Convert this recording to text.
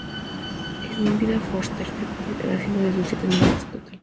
En vida, Forster vio publicadas cinco de sus siete novelas en total.